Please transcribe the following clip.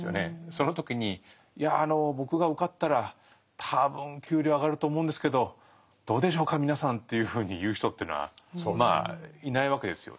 その時に「いや僕が受かったら多分給料上がると思うんですけどどうでしょうか皆さん」というふうに言う人というのはいないわけですよ。